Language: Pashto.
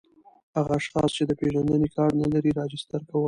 هغه اشخاص چي د پېژندني کارت نلري راجستر کول